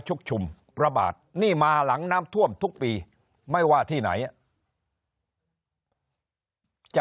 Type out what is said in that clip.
ชุมระบาดนี่มาหลังน้ำท่วมทุกปีไม่ว่าที่ไหนจะ